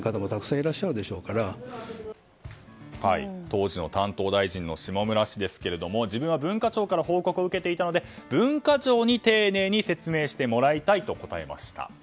当時の担当大臣の下村氏ですが自分は文化庁から報告を受けていたので文化庁に丁寧に説明してもらいたいと答えました。